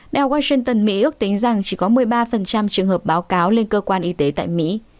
đài washington mỹ ước tính rằng chỉ có một mươi ba trường hợp báo cáo lên cơ quan y tế tại mỹ